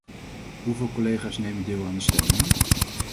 Hoeveel collega's nemen deel aan de stemmingen?